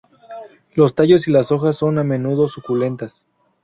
Los tallos y las hojas son a menudo suculentas.